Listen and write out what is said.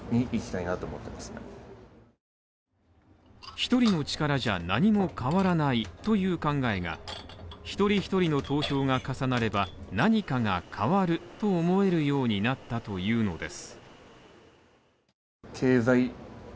１人の力じゃ何も変わらないという考えが、１人１人の投票が重なれば何かが変わると思えるようになったというのです。